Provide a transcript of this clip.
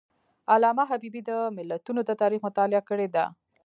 علامه حبیبي د ملتونو د تاریخ مطالعه کړې ده.